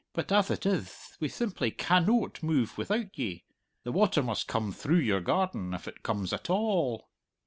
But, ath it ith, we simply can noat move without ye. The water must come through your garden, if it comes at a all."